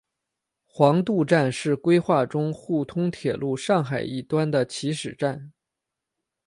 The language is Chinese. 黄渡站是规划中沪通铁路上海一端的起始站。